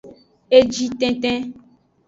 Eji tenten.